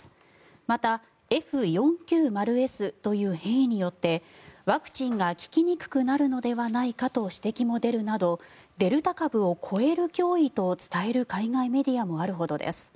また、Ｆ４９０Ｓという変異によってワクチンが効きにくくなるのではないかと指摘も出るなどデルタ株を超える脅威と伝える海外メディアもあるほどです。